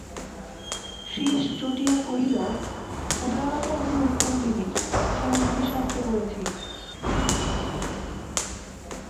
শ্রীশ চটিয়া কহিল, উদারতা অতি উত্তম জিনিস, সে আমি নীতিশাস্ত্রে পড়েছি।